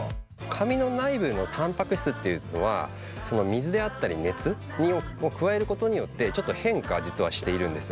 髪の内部のたんぱく質っていうのは水であったり熱を加えることによってちょっと変化実はしているんです。